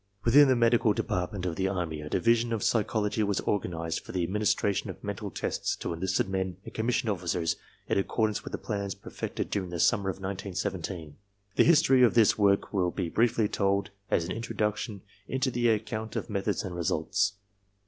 Within the Medical Department of the Army a Division of Psychology was organized for the administration of mental tests to enlisted men and commissioned officers in accordance with plans perfected during the summer of 1917. The history of this work will be briefly told as an introduction to the account ^ methods and results.